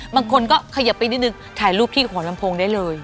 บางคนก็ขยับไปนิดนึงถ่ายรูปที่หัวลำโพงได้เลย